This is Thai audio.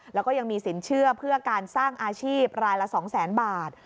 แล้วก็ยังมีสินเชื่อเพื่อการสร้างอาชีพรายละ๒แสนบาท